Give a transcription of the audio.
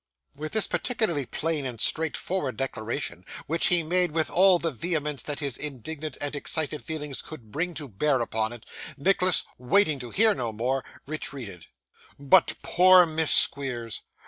With this particularly plain and straightforward declaration, which he made with all the vehemence that his indignant and excited feelings could bring to bear upon it, Nicholas waiting to hear no more, retreated. But poor Miss Squeers!